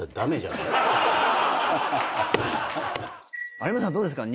有村さんどうですか？